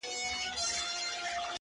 سرکښي نه کوم نور خلاص زما له جنجاله یې؛